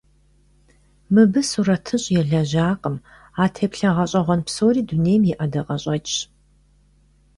Мыбы сурэтыщӀ елэжьакъым; а теплъэ гъэщӀэгъуэн псори дунейм и ӀэдакъэщӀэкӀщ.